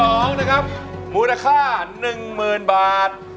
เพลงที่๒นะครับมูลค่า๑๐๐๐๐บาท